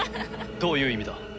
どういう意味だ？